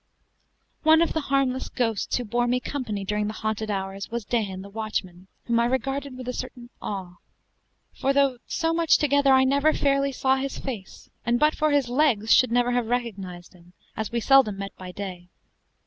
One of the harmless ghosts who bore me company during the haunted hours was Dan, the watchman, whom I regarded with a certain awe; for though so much together, I never fairly saw his face, and but for his legs should never have recognized him, as we seldom met by day.